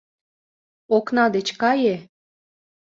— Окна деч кае.